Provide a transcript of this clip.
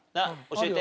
教えて。